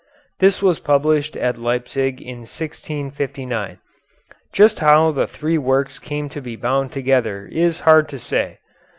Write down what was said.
This was published at Leipzig in 1659. Just how the three works came to be bound together is hard to say.